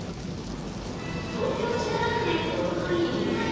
東京・品川区でおとといリニューアル